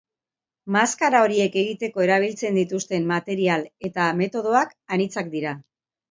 Maskara horiek egiteko erabiltzen dituzten material eta metodoak anitzak dira.